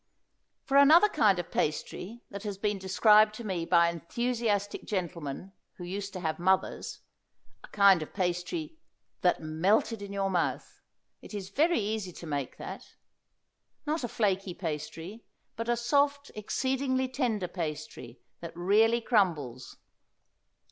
For another kind of pastry that has been described to me by enthusiastic gentlemen who used to have mothers, a kind of pastry "that melted in your mouth;" it is very easy to make that; not a flaky pastry, but a soft, exceedingly tender pastry that really crumbles.